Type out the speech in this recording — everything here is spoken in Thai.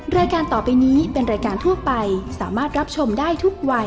รายการต่อไปนี้เป็นรายการทั่วไปสามารถรับชมได้ทุกวัย